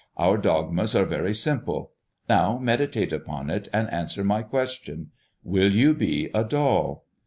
Our dogmas are very simple. Now, meditate upon it, and answer my question, Will you be a doll?"